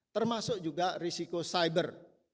termasuk juga risiko cyber